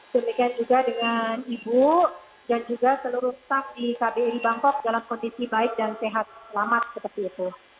demikian juga dengan ibu dan juga seluruh staff di kbri di bangkok dalam kondisi baik dan sehat selamat seperti itu